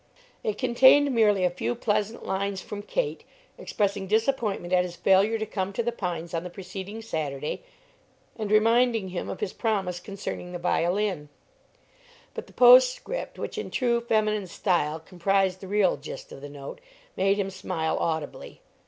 It contained merely a few pleasant lines from Kate, expressing disappointment at his failure to come to The Pines on the preceding Saturday, and reminding him of his promise concerning the violin; but the postscript, which in true feminine style comprised the real gist of the note, made him smile audibly.